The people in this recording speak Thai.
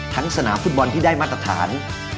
สนามฟุตบอลที่ได้มาตรฐาน